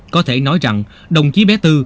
có thể nói rằng đồng chí bé tư